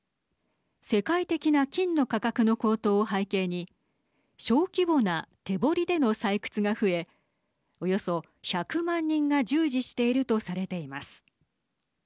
世界的な金の価格の高騰を背景に小規模な手掘りでの採掘が増えおよそ１００万人が従事しているとされています。